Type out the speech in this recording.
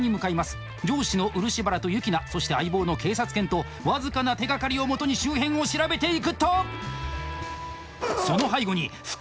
上司の漆原とユキナそして相棒の警察犬と僅かな手がかりをもとに周辺を調べていくと。